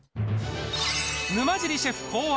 沼尻シェフ考案、